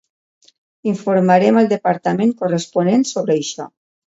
Informarem al departament corresponent sobre això.